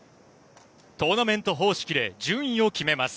トーナメント方式で順位を決めます。